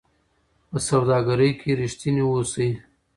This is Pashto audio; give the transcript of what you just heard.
په سوداګرۍ کې رښتیني اوسئ.